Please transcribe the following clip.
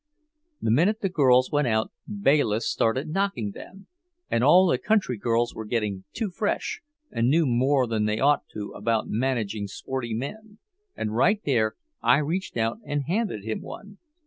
The minute the girls went out Bayliss started knocking them; said all the country girls were getting too fresh and knew more than they ought to about managing sporty men and right there I reached out and handed him one.